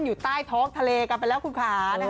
อยู่ใต้ท้องทะเลกันไปแล้วคุณค่ะ